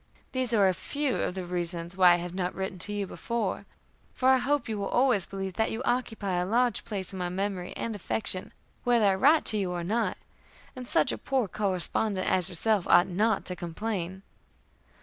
These are a few of the reasons why I have not written to you before, for I hope you will always believe that you occupy a large place in my memory and affection, whether I write to you or not; and such a poor correspondent as yourself ought not to complain.